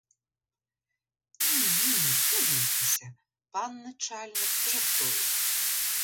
Ні, ні, не бійтеся, пан начальник жартують.